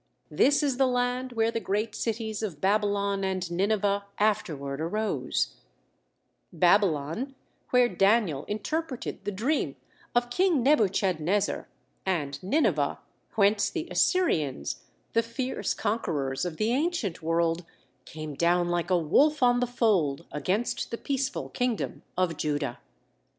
This is the land where the great cities of Babylon and Nineveh afterward arose; Babylon, where Daniel interpreted the dream of King Nebuchadnezzar, and Nineveh, whence the Assyrians, the fierce conquerors of the ancient world, "came down like a wolf on the fold" against the peaceful Kingdom of Judah.